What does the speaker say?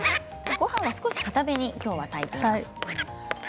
ごはんは少しかために炊いています。